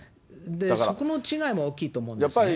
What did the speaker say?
そこの違いも大きいと思うんですね。